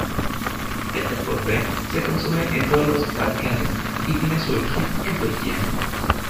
Este postre se consume en todos los Balcanes, y tiene su origen en Turquía.